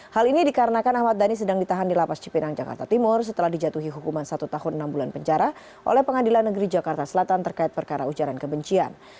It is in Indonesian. hal ini dikarenakan ahmad dhani sedang ditahan di lapas cipinang jakarta timur setelah dijatuhi hukuman satu tahun enam bulan penjara oleh pengadilan negeri jakarta selatan terkait perkara ujaran kebencian